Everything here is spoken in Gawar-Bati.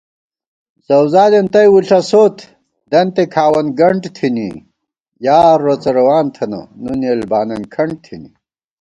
زوزادېن تئ وُݪَسوت دنتے کھاوَن گنٹ تھنی * یار روڅہ روان تھنہ نُن یېل بانن کھنٹ تھنی